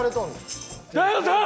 大悟さん！